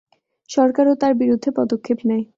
সরকার ও তার বিরুদ্ধে পদক্ষেপ নেয়।